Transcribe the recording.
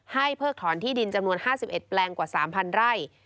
เพิกถอนที่ดินจำนวน๕๑แปลงกว่า๓๐๐ไร่